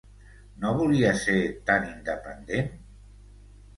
No volia ser tan independent?